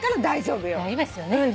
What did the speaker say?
大丈夫ですよね。